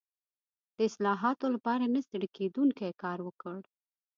د اصلاحاتو لپاره نه ستړی کېدونکی کار وکړ.